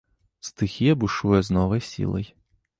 Стыхія бушуе з новай сілай.